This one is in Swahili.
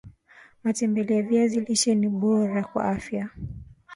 matembele ya viazi lishe ni boara kwa afya